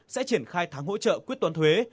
sẽ triển khai tháng hỗ trợ quyết toán thuế